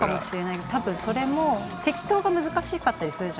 多分それも適当が難しかったりするじゃん。